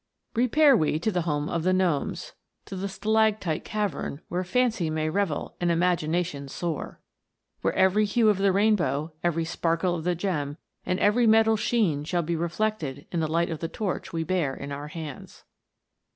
REPAIR we to the home of the Gnomes to the stalactite cavern, where Fancy may revel and Ima gination soar ! Where every hue of the rainbow, every sparkle of the gem, and every metal's sheen shall be reflected in the light of the torch we bear in our hands